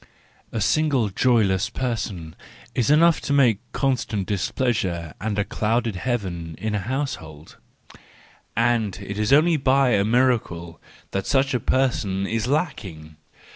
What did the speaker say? —A single joyless person is enough to make constant displeasure and a clouded heaven in a household; and it is only by a miracle that such a person is lacking!